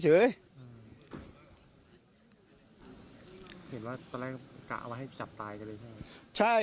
เห็นว่าตอนแรกก็กะเอาไว้ให้จับตายกันเลยใช่ไหม